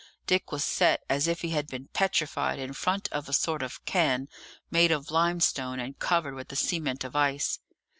Dick was set as if he had been petrified in front of a sort of cairn, made of limestone, and covered with a cement of ice.